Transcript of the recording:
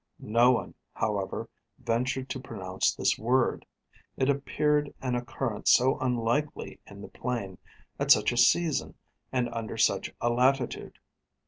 No one, however, ventured to pronounce this word; it appeared an occurrence so unlikely in the plain, at such a season and under such a latitude.